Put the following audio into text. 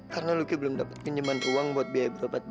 karena luki belum dapat pinjaman ruang buat biaya buah babi